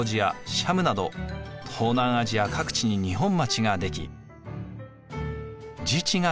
シャムなど東南アジア各地に日本町が出来自治が認められました。